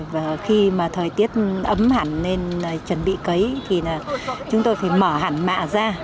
và khi mà thời tiết ấm hẳn nên chuẩn bị cấy thì là chúng tôi phải mở hẳn mạ ra